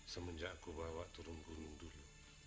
semenjak ku bawa turun gunung dulu